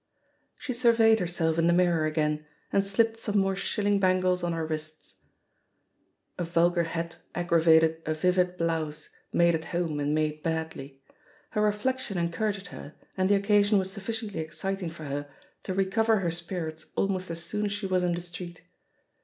She surveyed herself in the mirror again, and slipped some more shilling bangles on her wrists. JB40 THE POSITION OF PEGGY HARPER A vulgar hat aggravated a vivid blouse, made at home and made badly. Her reflection encour aged her, and the occasion was sufficiently excit ing for her to recover her spirits almost as soon as she was in the street.